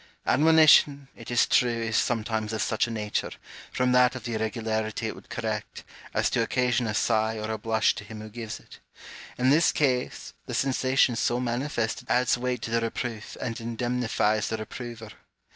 Admonition, it is true, is sometimes of such a nature, from that of the irregularity it would correct, as to occasion a sigh or a blush to him who gives it : in this case, the sensation so manifested adds weight to the reproof and indemnifies the reprover.